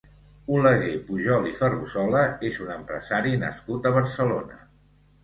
Oleguer Pujol i Ferrusola és un empresari nascut a Barcelona.